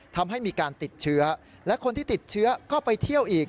ทำให้มีการติดเชื้อและคนที่ติดเชื้อก็ไปเที่ยวอีก